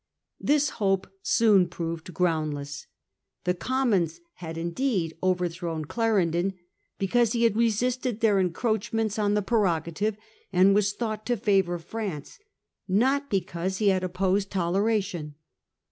This hope soon proved groundless. The Commons had indeed overthrown Clarendon, because he had re sisted their encroachments on the prerogative, and was thought to favour France, not because he had opposed * toleration.